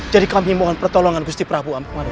jadi kami mohon pertolongan gusti prabu ampumaruf